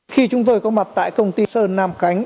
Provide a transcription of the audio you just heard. khi chúng tôi có mặt tại công ty sơn nam khánh